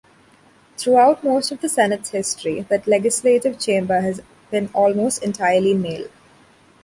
Throughout most of the Senate's history, that legislative chamber has been almost entirely male.